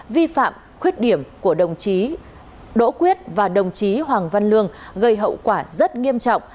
vi phạm khuyết điểm của đồng chí đỗ quyết và đồng chí hoàng văn lương gây hậu quả rất nghiêm trọng